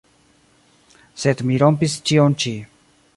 Sed mi rompis ĉion ĉi.